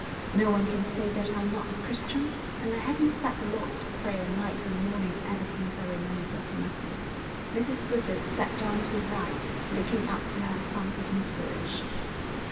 No one can say that I'm not a Christian, and I haven't said the Lord's Prayer night and morning ever since I remember for nothing.' Mrs Griffith sat down to write, looking up to her son for inspiration.